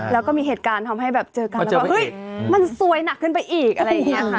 แล้วก็มีเหตุการณ์ทำให้แบบเจอกันแล้วก็เฮ้ยมันซวยหนักขึ้นไปอีกอะไรอย่างนี้ค่ะ